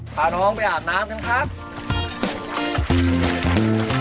พาน้องไปอาบน้ำกันครับ